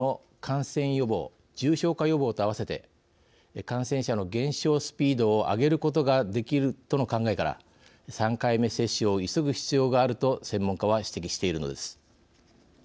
高齢者へのワクチン接種が進めば本人への感染予防重症化予防と併せて感染者の減少スピードを上げることができるとの考えから３回目接種を急ぐ必要があると専門家は指摘しているのです。